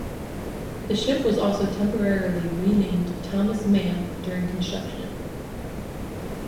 The ship was also temporarily renamed "Thomas Mann" during construction.